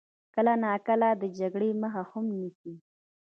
کله ناکله د جګړې مخه هم نیسي.